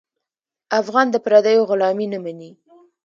افغان د پردیو غلامي نه مني.